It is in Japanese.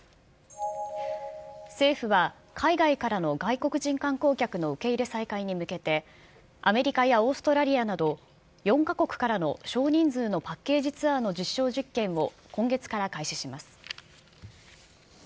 政府は、海外からの外国人観光客の受け入れ再開に向けて、アメリカやオーストラリアなど、４か国からの少人数のパッケージツアーの実証実験を今月から開始します。